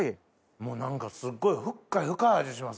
もう何かすっごい深い深い味しますね。